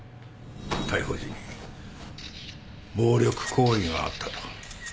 逮捕時に暴力行為があったと。